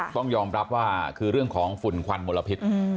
ต้องยอมรับว่าคือเรื่องของฝุ่นควันมลพิษ